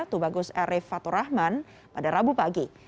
tubagus arif fathur rahman pada rabu pagi